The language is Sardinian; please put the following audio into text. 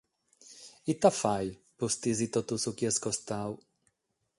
Ite fàghere pustis totu su chi est costadu?